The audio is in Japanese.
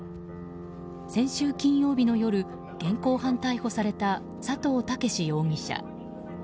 先週金曜日の夜現行犯逮捕された佐藤剛容疑者。